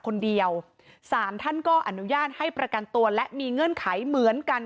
คนเดียวสารท่านก็อนุญาตให้ประกันตัวและมีเงื่อนไขเหมือนกัน